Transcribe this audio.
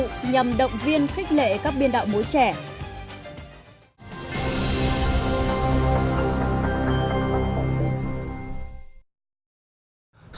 nhằm động viên khích lệ các biên đạo múa trẻ